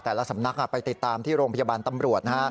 แต่ละสำนักไปติดตามที่โรงพยาบาลตำรวจ